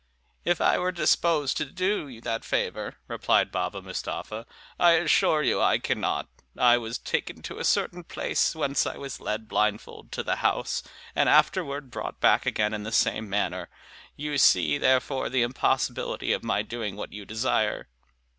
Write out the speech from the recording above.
"If I were disposed to do you that favor," replied Baba Mustapha, "I assure you I cannot. I was taken to a certain place, whence I was led blindfold to the house, and afterward brought back again in the same manner; you see, therefore, the impossibility of my doing what you desire."